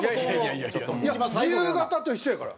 いや自由形と一緒やから。